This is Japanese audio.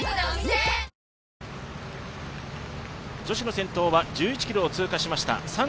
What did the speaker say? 女子の先頭は１１ｋｍを通過しました。